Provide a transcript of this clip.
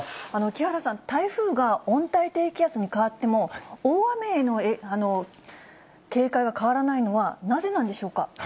木原さん、台風が温帯低気圧に変わっても、大雨への警戒が変わらないのはなぜなんでしょうか。